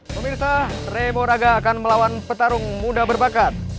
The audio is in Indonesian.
pemirsa ray moraga akan melawan petarung muda berbakat